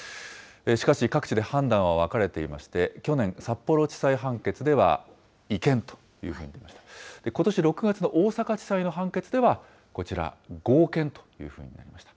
しかし各地で判断は分かれていまして、去年、札幌地裁判決では違憲というふうに、ことし６月の大阪地裁の判決では、こちら、合憲というふうになりました。